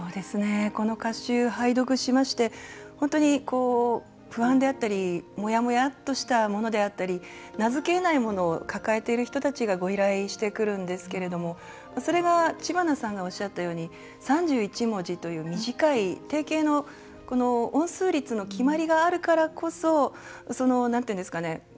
この歌集を拝読しまして不安であったりもやもやっとしたものであったり名付けえないものを抱えている人がご依頼してくるんですけどもそれが、知花さんがおっしゃったように３１文字という短い定型の音数律の決まりがあるからこそ悩み事なんて